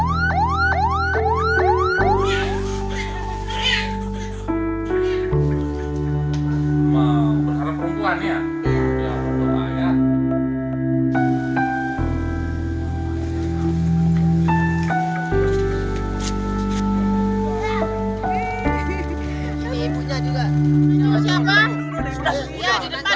masuk lagi bes fmrise